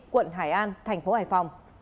quận hải an thành phố hải phòng